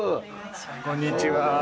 こんにちは。